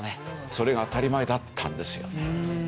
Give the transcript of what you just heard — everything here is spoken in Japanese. それが当たり前だったんですよね。